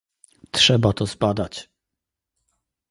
"Trzeba to zbadać."